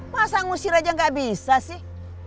masa ngusir aja gak bisa sih